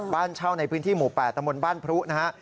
บ้านเช่าในพื้นที่หมู่๘ตะมนต์บ้านพรุนะฮะ